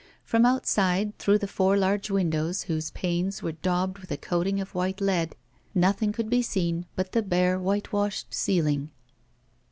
From outside, through the four large windows, whose panes were daubed with a coating of white lead, nothing could be seen but the bare whitewashed ceiling.